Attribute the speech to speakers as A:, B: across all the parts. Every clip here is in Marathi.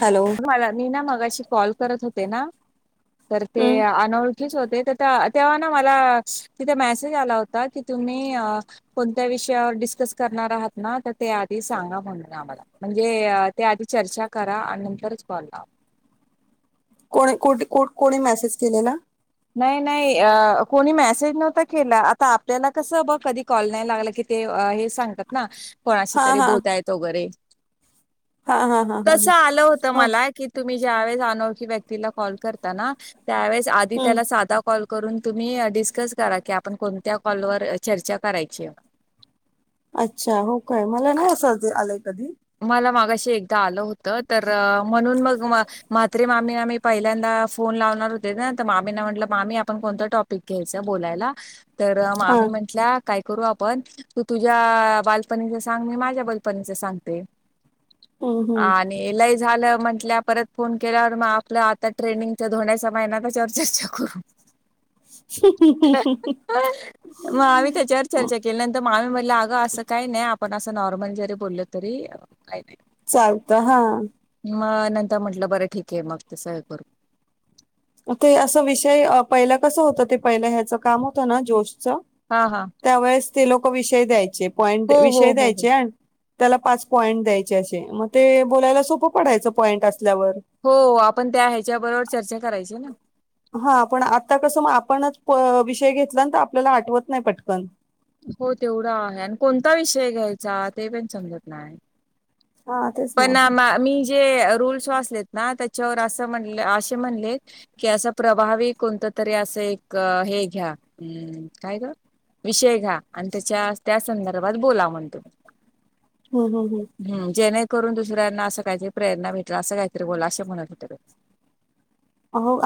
A: हॅलो
B: मी ना माशी कॉल करत होते ना तर
A: हम्म
B: हो तेव्हा ना मला तिथे मेसेज आला होता की तुम्ही कोणत्या विषयावर डिस्कस करणार आहात ना तर ते आधी सांगा म्हणून आम्हाला म्हणजे ते आधी चर्चा करा आणि नंतरच बला
A: कोणी कोणी मेसेज केले ना
B: नाही नाही कोणी मेसेज नव्हता केला आता आपल्याला कसं बघ कधी कॉल नाही लागला की ते... हे.... सांगतात ना, कोणाशी
A: हा
B: तरी
A: हा
B: बोलता येत वगैरे
A: हा हा हा हा
B: तस
A: हा
B: आलं होत
A: ह
B: मला कि तुम्ही ज्या वळेस अनोखी व्यक्तीला कॉल करता ना त्याच्या आधी
A: हम्म
B: त्याला साधा कॉल करून तुम्ही डिस्कस करा, की, आपण कोणत्या कॉलवरर चर्चा करायची
A: अच्छा हो काय मला नाही असा आलंय कधी
B: मला मागाशी एकदा आलं होतं तर म्हणून मग म मात्री मामी ना मी पहिल्यांदा फोन लावणार होते ना तर मामीना म्हटलं मामी आपण कोणत टॉप घ्यायच बोलायला तर
A: हा
B: आम्ही म्हंटल्या काय करू आपण तू तुझ्या बालपणीच सांग मी माझ्या बालपणीच सांगते
A: हम्म हम्म
B: ह लई झालं म्हंटल्या, परत फोन केल्यावर, मग..... आपलं आता ट्रेनिंग तर धोणड्या चा महिना त्याच्यावर चर्चा करू
A: ह
B: केल्यानंतर मामी ही म्हटल्या, 'अगं असं काही नाही आपण असं नॉर्मल जरी बोललो तरी काही नाही'
A: चालत हा
B: मग...... नंतर म्हंटलं बरं ठीक आहे मग तसं हे करू
A: ते असं विषय पहिलं कसं होतं ते पहिलं ह्याचं काम होतं ना जोशचं
B: हा- हा-
A: त्यावेळेस ते लोक विषय द्यायचे, पॉइंट,
B: हो हो
A: विषय
B: हो हो
A: द्यायचे आणि त्याला पाच पॉईंट द्यायचे असे मग ते बोलायला सोपं पडायचं पॉईंट असल्यावर
B: हो.... आपण त्या ह्याच्या बरोबर चर्चा करायचो ना
A: हा पण आता कसं मग? आपणच विषय घेतला ना, तर आपल्याला आठवत नाही पटकन
B: हो तेवढा आहे. आणि कोणता विषय घ्यायचा? ते पण समजत नाही
A: हा तेच ना
B: पण मी जे रूल्स वाचलेत ना, त्याच्यावर असं म्हणटले, असे म्हणलेत कि असं प्रभावी कोणत तरी असं एक हे घ्या, काय ग विषय घ्या, आणि त्याच्या त्या संदर्भात बोला म्हणत होते तुम्ही
A: हम- हम- हम
B: जेणेकरून दुसऱ्यांना असं काहीतरी प्रेरणा भेटल. असं काहीतरी बोला, असं म्हणत होतें.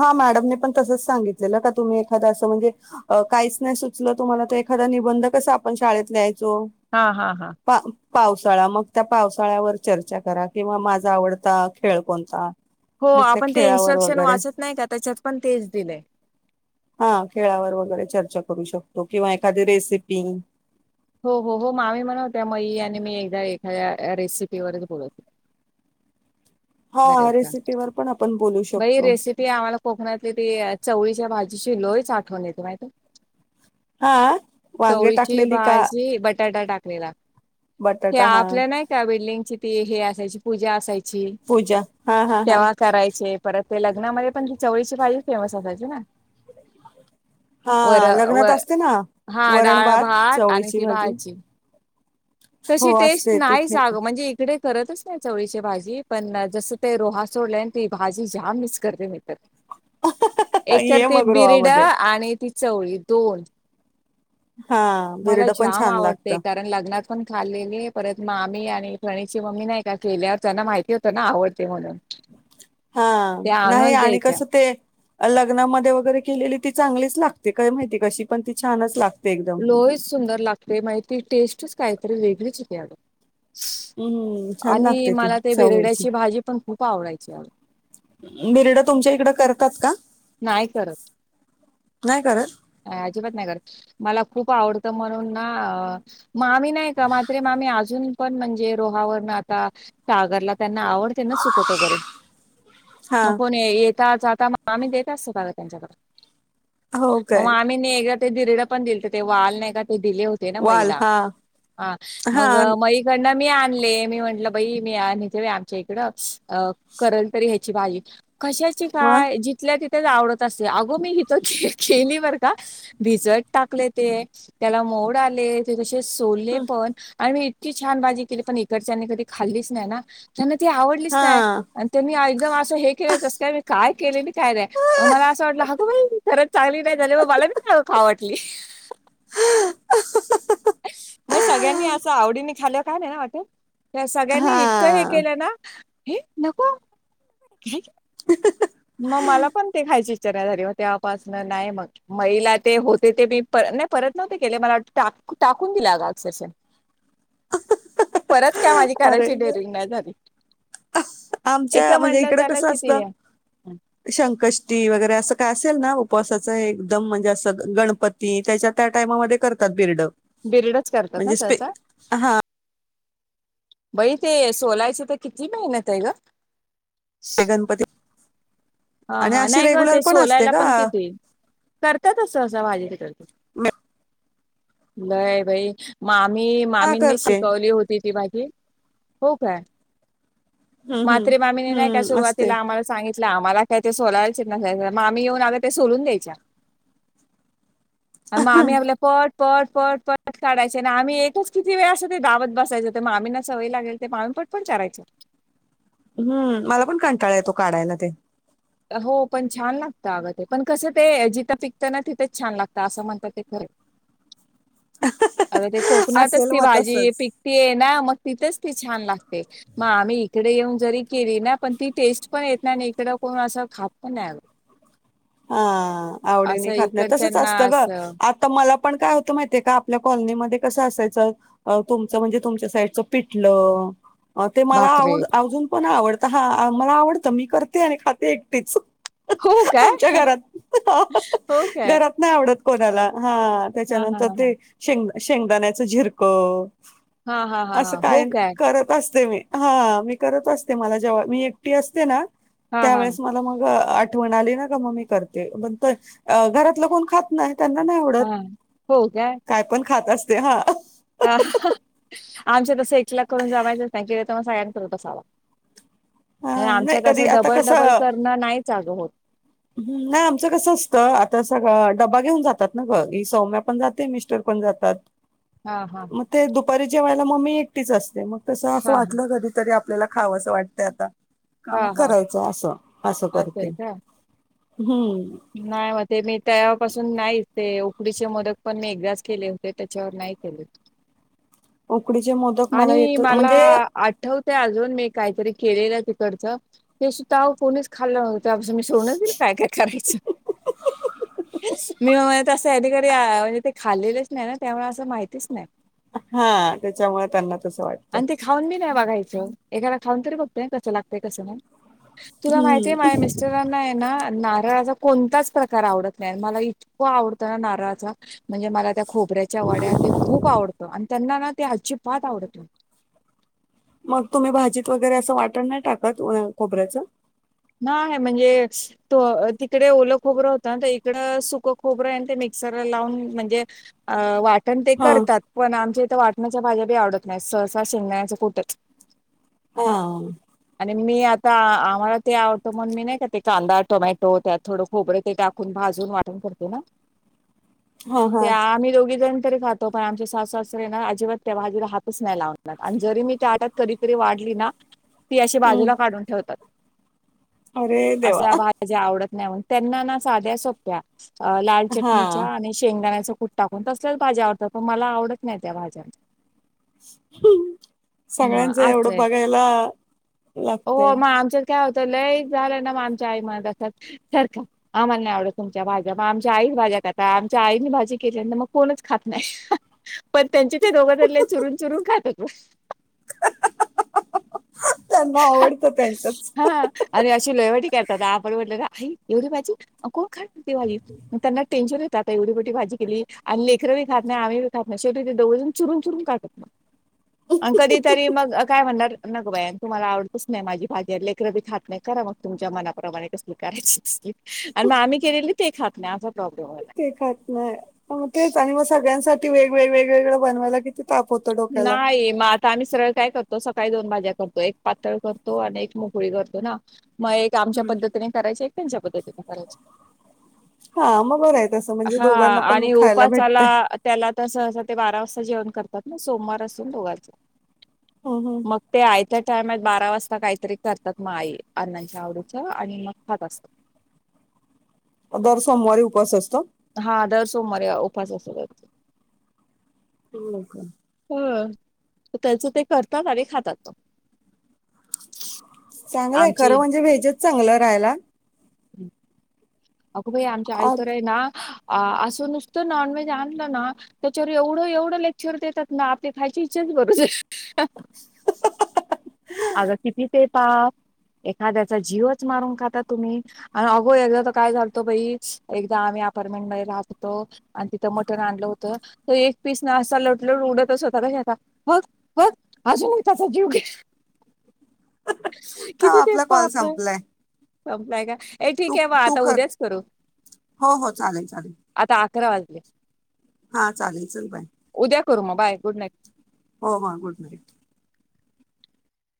A: हा मॅडमने पण तसंच सांगितलेलं का तुम्ही एखादां असं म्हणजे अ.... काहीच नाही सुचलं तुम्हाला तर एखादा निबंध कसा आपण शाळेत लिहाय चो
B: हा- हा- हा
A: पावसाळा, मग त्या पावसाळ्यावर चर्चा करा, किंवा माझा आवडता खेळ कोणता?
B: हो
A: मग त्या
B: आपण ते
A: खेळावर
B: इन्स्ट्रक्शन
A: वगैरे
B: वाचत नाही का, त्याच्यात पण तेच दिले.
A: हा खेळावर वगैरे चर्चा करू शकतो, किंवा एखादी रेसिपी
B: हो -हो- हो मामी म्हण होत्यामाई आणि मी एकदा एखाद्या रेसिपीवरच बोलत होतो
A: हा
B: बरं
A: रेसिपीवरर पण आपण बोलू शकतो.
B: ते आम्हाला कोकणातले ते चवळीच्या भाजीची लोईच...... आठवण येते माहिती
A: हा वांगे
B: चवळीची
A: टाकलेली का?
B: भाजी बटाटा टाकलेला,
A: बटाटा हा
B: आपल्या नाही त्या बिल्डिंगची ती हे असायची पूजा असायची
A: पूजा हा हा हा
B: तेव्हा करायचे परत ते लग्ना मध्ये पण ती चवळीची भाजी फेमस असायची ना?
A: हा
B: वर
A: लग्नात
B: व
A: असते ना
B: हा डाळ -भात आणि ती भाजी
A: हो
B: तशी टेस्ट
A: असते ती
B: नाही
A: फे
B: च अग, म्हणजे तिकडे करतच नाही. चवळीची भाजी, पण जसं ते रोहा सोडले, आणि ती भाजी जाम मिस करते मी तर
A: [inaudible]
B: एक तर
A: ये
B: ते
A: मग
B: बिरड
A: रोहामध्ये.
B: आणि ती चवळी दोन
A: हा
B: मला
A: बिरडं पण
B: जाम
A: छान
B: आवडते
A: लागतं
B: का कारण लग्नात पण खाल्लेली, परत मामी आणि फणीची मम्मी नाही का केल्यावर त्यांना माहिती ते त्यांना ना आवडते म्हणून
A: हा
B: त्या
A: नाही
B: आणूनच
A: आणि
B: द्यायच्या.
A: कसं ते लग्नामध्ये वगैरे केलेली ती चांगलीच लागते काय माहिती कशी पण ती छानच लागते एकदम.
B: लोहीच सुंदर लागते माहिती टेस्टच कायतरी वेगळीच होती अड स्
A: हम्म छान
B: आणि
A: लागते ती
B: मला ते
A: चवळीची
B: बेरड्याची भाजी पण खूप आवडायची
A: मिरडा तुमच्या इकड करतात का
B: नाही करत
A: नाही करत
B: अजिबात नाही करत, मला खूप आवडतं म्हणून ना अ.... मामी नाही का, म्हत्रे मामी अजून पण म्हणजे रोहावरन आता सागरला त्यांना आवड त्यांना सुकट वगैरे
A: हा
B: मग कोण येता जाता मामी देत असतात ग त्यांच्याकडे.
A: हो
B: मग
A: काय
B: मामी नी ना, एकदा ते बिरडं ही दिले होते ते वाल नाही का? ते ना
A: वाल
B: मला
A: हा
B: ह
A: हा
B: मग गण आणले मी म्हंटलं बाई मी आणि ते बाई आमच्या इकड अ करेल तरी बाई कशाची
A: म
B: काय जिथल्या तिथं आवडत अस अंग मि इथं. बर का भिजत टाकले ते त्याला मोड आले ते कसे सोले पण आणि मी इतकी छान भाजी केली पण इकडच्यांनी कधी खाल्लीच नाही ना त्यांना ती आवडलीच
A: हा
B: नाही. त्यांनी एकदम असं हे केलं तसं काय मी काय केले काय नाही मला असं वाटलं अगो बाई खरच चांगली. काय झालं म मला मित खा वाटली. मग सगळ्यांनी असं आवडीने खाल काय नाही ना वाट. त्या सगळ्यांनी
A: हा
B: इतकं हे केलं ना हे नको. मग मला पण ते खायची इच्छा झाली मग त्यापासन नाही मग महिला ते होते ते मी पर नाही परत नव्हते केले मला वाटते टाकून दिला अक्सेस. का माझी
A: अरे
B: करायची डेअरिंग नाही झाली.
A: आमच्या
B: एकदा
A: म्हणजे
B: म्हटलं
A: इकड
B: त्याला
A: कसं असत.
B: किती
A: संकष्टी वगैरे असं काय असेल ना उपवासाचं एकदम म्हणजे असं गणपती ती त्याच्या त्या टायमामध्ये करतात बिर्ड
B: बिरडच करतात ना
A: म्हणजे स्पे
B: त्याचा
A: हा
B: बई ते सोलायच तर किती मेहनत आहे ग.
A: गणपती
B: हा
A: आणि
B: हा
A: अशी
B: नाही ग
A: रेग्युलर
B: ते
A: पण असते
B: सोलायला
A: का
B: पण किती करतात सहसा भाजी
A: म
B: लय बाई मामी
A: हा
B: मामींनी
A: करते
B: शिकवली होती. हो काय
A: हम्म
B: मात्रे
A: हम्म
B: मामी नाही का
A: हम्म असते
B: सुरुवातीला आळस सांगितलं आम्हाला काय ते सोलायचे न मग आम्ही येऊन आग ते सोलून द्यायच्या आम्ही आपल्या पट पट पट पट काढायचे आणि आम्ही एकच किती वेळ असत ते गावात बसायचं ते मामीना सवय लागेल ते मामी पट पण चाररायचं.
A: हम्म मला पण कंटाळा येतो काढायला ते
B: हो पण छान लागतं अगं ते पण कसं ते जिथं पिकतं ना तिथंच छान लागतं असं म्हणतात ते खरं. अग ते कोकणातच
A: असेल
B: ती
A: मग
B: भाजी
A: तसंच
B: पिकतीय ना मग तिथच ती छान लागते मग आम्ही इकडे येऊन जरी केली ना पण ती टेस्ट पण येत ना इकदम. पण असं खाप नाही.
A: अ आवडी नाही
B: असं
A: खात नाही तसंच
B: इकडच्यांना
A: असतं ग
B: असं
A: आ. तर मला पण काय होतं माहितीये का आपल्या कॉलनीमध्येध्ये कसं असायचं. तुमचं म्हणजे तुमच्या साईडचं पिटलं. ते मला
B: भाकरी
A: आवड अजून पण आवडत हा मला आवडतं मी करते आणि खाते एकटीच.
B: हो काय?
A: आमच्या घरात
B: हो काय?
A: घरात नाही आवडत कोणाला हा
B: हां, हां,
A: त्याच्यानंतर
B: हां, हां.
A: ते शेंगदा शेंगदाण्याच झिरकं
B: हां, हां, हां,
A: असं
B: हां. हो
A: काही
B: काय?
A: करत असते मी हा मी करत असते मला जेव्हा मी एकटी असते ना
B: हां, हां,
A: त्यावेेळेस मला मग ठेवून आली ना मग मी करते पण घरातलं कोण खात नाही त्यांना नाही आवडत
B: हां. हो
A: काय पण खात असते हा.
B: हा आमचे तसं एकला करून जमायचंच सगळ्यांनंत बसावा.
A: हा, नाही
B: आमच्यात
A: कधी
B: असं
A: आता
B: डबल डबल करणं नाही चालत.
A: ह नाही आमचं कसं असतं. आता सगळं ड्बा घेऊन जातात ना गी सौम्या पण जाते मिस्टर पण जातात.. [inaudible]
B: हा हा
A: मग ते दुपारी जेवायला म एकटीच असते. मग तसं असं
B: हां,
A: वाटल कधी तरी आपलं आपल्याला खावासं वाटतं, आता का मं
B: हां, हां.
A: करायचं असं असं
B: आहे
A: करते.
B: का?
A: हम्म
B: नाही मग ते मी तेव्हापासून नाहीच ते उकडीचे मोदक पण, मी एकदाच केले होते त्याच्यावर नाही केले.
A: उकडीचे मोदक मला येतं म्हणजे
B: आठवतय, अजून मी काहीतरी केलेलं तिकडचं ते सुद्धा कोणीच खाल्लं त्याच्यापासून मी सोडूणच दिलं काय काय करायचं मी म्हणत असते ह्यांनी कधी ते खालेलेच नाही. ना त्यामुळे असं माहितीच नाही
A: हा त्याच्यामुळे त्यांना तसं वाटतं
B: आणि ते खाऊन बी नाही बघायचं एखादा खाऊन तरी बघतंय कसं लागतय कसं नाय तुला माहितीय माझ्या
A: हम्म
B: मिस्टरांनाय ना नारळाचा कोणताच प्रकार आवडत नाय मला इतकं आवडतं ना नारळाचा म्हणजे मला त्या खोबऱ्याच्या वड्या ते खूप आवडतं आणि त्यांना ना ते अजिबात आवडतं नाय
A: मग तुम्ही भाजीत वगैरे असं वाटण नाय टाकत व खोबऱ्याचं?
B: नाय म्हणजे त तिकडे ओलं खोबरं होतं ना इकडं सुक खोबरंय ते मिक्सरला लावून म्हणजे अ वाटण ते
A: हा
B: करतात पण आमच्या इथं वाटणाच्या भाज्या बी आवडत नाय सहसा शेंगदाण्याच कुटचं
A: हा
B: आणि मी आता आम्हाला ते आवडतं म्हणून मी नाही का ते कांदा, टोमॅटो, त्यात थोडं खोबरं ते टाकून भाजून वाटून करते ना?
A: [inaudible]
B: ते आम्ही दोघी जण तरी खातो पण आमचे सासू सासरे ना अजिबात ते भाजीला हात तच नाही लावणार आणि जरी मी ताटात कधीतरी वाढली ना ती अशी
A: हम्म
B: बाजूला काढून ठेवतात
A: अरे देवा
B: असल्या भाज्या आवडत नाय म्हणून त्यांना ना साध्या सोप्या अ लाल
A: हा
B: चटणीच्या आणि शेंगदाण्याचं कुट टाकून तसल्याचं भाज्या आवडतात. पण मला आवडत नाय त्या भाज्यां म
A: सगळ्यांचं एवढं
B: असंय
A: बघायला
B: हो
A: लागतंय
B: मग आमच्यात काय होतं लय झालं ना मग आमच्या आई म्हणत असतात सरका आम्हाला नाय आवडत तुमच्या भाज्या मग आमच्या आईच भाज्या खात आमच्या आईनी भाजी केलींत मग कोणच खात नाय पण त्यांचे ते दोघंजण लय चुरून चुरून खातात
A: [inaudible] त्यांना आवडतं त्यांच्याच
B: हा आणि अशी लयमटी करतात आपण म्हटलं का आई एवढी भाजी? कोण खाणारय ती भाजी?
A: हो
B: त्यांना टेन्शन येत आता एवढी मोठी भाजी केली आणि लेकरं बी खात नाय आम्ही बी खात नाय शेवटी ते दोघेजणं चुरून चुरून खात
A: ह [inaudible]
B: आण कधीतरी मग काय म्हणणार नगं बाई आणि तुम्हाला आवडतच नाही माझी भाजी ले कर बी खात नाही करा मग तुमच्या मनाप्रमाणे कसली करायची तसली आणि मग आम्ही केलेली ते खात नाय असा प्रॉब्लेम होयला
A: ते खात नाय मग तेच आणि मग सगळ्यांसाठी वेगवेग वेगवेगळं बनवायला किती ताप होत
B: नायी म तर आम्ही सरळ काय करतो सकाळी दोन भाज्या करतो एक पातळ करतो. आणि एक मोकळी करतो ना मग एक आमच्या
A: हम्म.
B: पद्धतीने करायची एक त्यांच्या पद्धतीने करायची
A: हा मग बरं आहे तसं म्हणजे
B: हा
A: दोघांना पण
B: आणि
A: खायला
B: ओपाचाला
A: भेटतय.
B: त्याला आता सहसा ते बारा वाजता जेवण करतात ना सोमवार असून दोघांच
A: हम हम
B: ते आयत्या टायमात बारा वाजता काहीतरी करतात मग आई अण्णांच्या आवडीच आणि मग खात असतात.
A: दर सोमवारी उपवास असतो.
B: हा दर सोमवारी आ ओ उपावास असु देत.
A: मग काय?
B: ह त्याचं ते करतात आणि खातात.
A: चांगलंय
B: आमची
A: खरं म्हणजे व्हेजच चांगलं राहायला.
B: [inaudible] आग बाई आमच्या आई तर आहे ना असं नुसतं नॉन व्हेज आणलं ना त्याच्यावर एवढं एवढं लेक्चर देतात ना आपली खायची इच्छाच मरू जाय अगं किती ते पाप एखाद्याचा जीवच मारून खाता तुम्ही. आणि अगो एकदा तर काय झालत बई एकदा आम्ही अपार्टमेंट मध्ये राहत होतो. आणि तिथं मटण आणलं होतं तर एक पीस ना असा लट लट उडतच होता कशाचा मग बग अजून एकाचा जीव घे
A: आता
B: किती ते
A: आपला कॉल
B: पाप
A: संपलाय
B: संपलाय काय? हे ठीक
A: तू
B: आहे म
A: तू
B: आता
A: कर
B: उद्याच करू
A: हो हो चालेल चालेल
B: आता अकरा वाजले.
A: हा चालेल चल बाय.
B: उद्या करू मग बाय गुड नाईट.
A: हो हो गुड नाईट.